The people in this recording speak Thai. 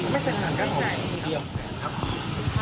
ไม่เชิญไหมครับ